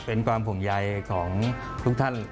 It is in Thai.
เป็นความห่วงใยของทุกท่าน